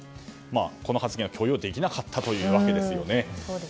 この発言は許容できなかったということですね。